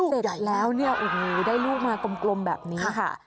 เสร็จแล้วเนี่ยโอ้โหได้ลูกมากลมแบบนี้ค่ะ